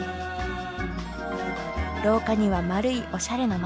廊下には丸いおしゃれな窓。